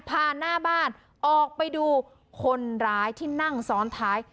หน้าบ้านออกไปดูคนร้ายที่นั่งซ้อนท้าย